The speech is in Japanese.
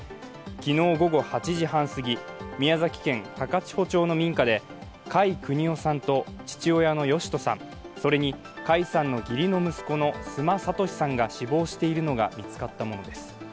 昨日午後８時半すぎ宮崎県高千穂町の民家で甲斐邦雄さんと父親の義人さん、それに甲斐さんの義理の息子の須磨俊さんが死亡しているのが見つかったものです。